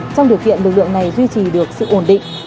trong điều kiện lực lượng này duy trì được sự ổn định